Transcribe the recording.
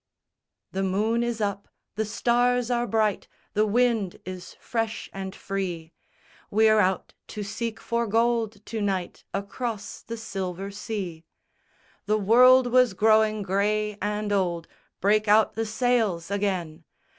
SONG _The moon is up: the stars are bright: The wind is fresh and free! We're out to seek for gold to night Across the silver sea! The world was growing grey and old; Break out the sails again!